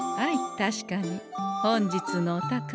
確かに本日のお宝